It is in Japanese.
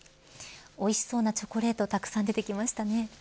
おいしそうなチョコレートたくさん出てきましたね。